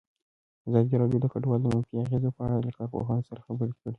ازادي راډیو د کډوال د منفي اغېزو په اړه له کارپوهانو سره خبرې کړي.